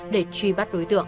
để truy bắt đối tượng